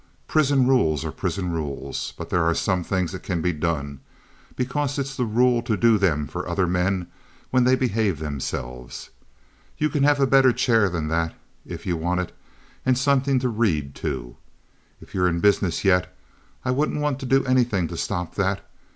Prison rules are prison rules. But there are some things that can be done, because it's the rule to do them for other men when they behave themselves. You can have a better chair than that, if you want it, and something to read too. If you're in business yet, I wouldn't want to do anything to stop that.